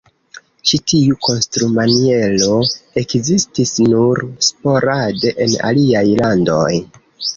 Ĉi tiu konstrumaniero ekzistis nur sporade en aliaj landoj.